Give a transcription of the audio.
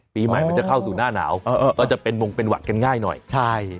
ปีใหม่มันจะเข้าสู่หน้าหนาวเออก็จะเป็นมงเป็นหวัดกันง่ายหน่อยใช่